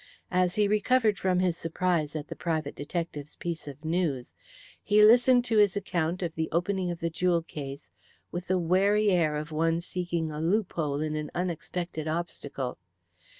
As he recovered from his surprise at the private detective's piece of news, he listened to his account of the opening of the jewel case with the wary air of one seeking a loop hole in an unexpected obstacle.